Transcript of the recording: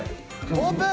オープン。